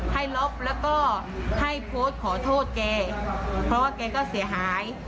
ลบแล้วก็ให้โพสต์ขอโทษแกเพราะว่าแกก็เสียหาย